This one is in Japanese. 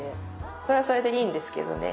それはそれでいいんですけどね。